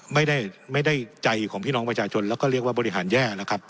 ไม่ได้ใจของพี่น้องประชาชนแล้วก็เรียกว่าบริหารแย่นะครับ